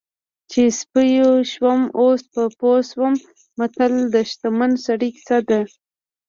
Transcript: چې سیپو شومه اوس په پوه شومه متل د شتمن سړي کیسه ده